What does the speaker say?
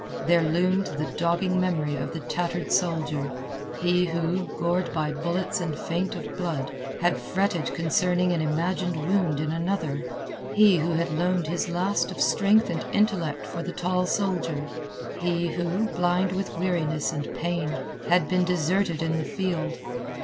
There loomed the dogging memory of the tattered soldier—he who, gored by bullets and faint of blood, had fretted concerning an imagined wound in another; he who had loaned his last of strength and intellect for the tall soldier; he who, blind with weariness and pain, had been deserted in the field.